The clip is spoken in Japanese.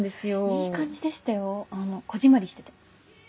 いい感じでしたよこぢんまりしてて。